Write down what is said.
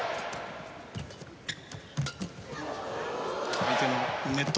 相手のネット